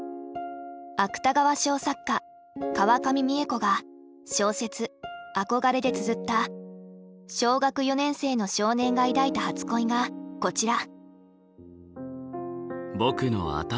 芥川賞作家川上未映子が小説「あこがれ」でつづった小学４年生の少年が抱いた初恋がこちら。